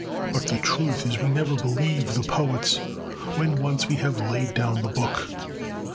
But the truth is we never believe the poets when once we have laid down the book.